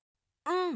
うん。